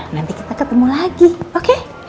nanti kita ketemu lagi oke